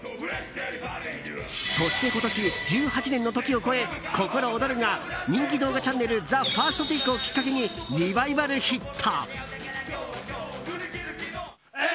そして今年１８年の時を越え「ココロオドル」が人気動画チャンネル「ＴＨＥＦＩＲＳＴＴＡＫＥ」をきっかけにリバイバルヒット！